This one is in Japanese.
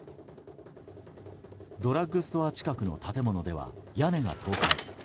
ドラッグストア近くの建物では屋根が倒壊。